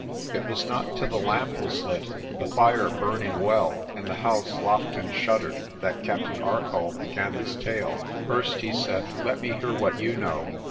It was not till the lamp was lit, the fire burning well, and the house locked and shuttered, that Captain Arcoll began his tale. 92 PRESTER JOHN "First," he said, "let me hear what you know.